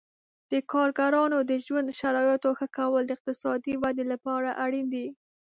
د کارګرانو د ژوند شرایطو ښه کول د اقتصادي ودې لپاره اړین دي.